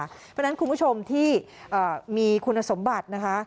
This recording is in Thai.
เพราะฉะนั้นคุณผู้ชมที่มีคุณสมบัตินะคะ